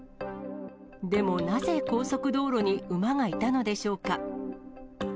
でもなぜ、高速道路に馬がいたのでしょうか。